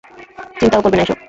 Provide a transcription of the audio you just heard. চিন্তাও করবে না এসব!